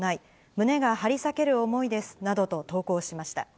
胸が張り裂ける思いですなどと投稿しました。